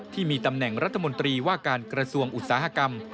ที่มีตำแหน่งรัฐมนตรีว่าการกระทรวงอุตสาหกรรม